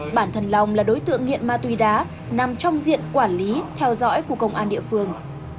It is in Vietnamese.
bản thân long là đối tượng nghiện ma túy đá nằm trong diện quản lý theo dõi của công an địa phương